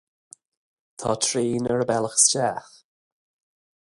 Tá traein ar a bealach isteach